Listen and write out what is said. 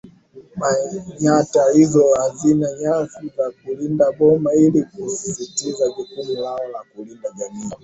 Manyatta hizo hazina nyasi za kulinda boma ili kusisitiza jukumu lao la kulinda jamii